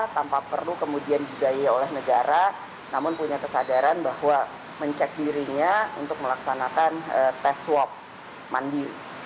tanpa perlu kemudian dibiayai oleh negara namun punya kesadaran bahwa mencek dirinya untuk melaksanakan tes swab mandi